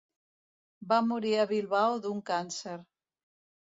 Va morir a Bilbao d'un càncer.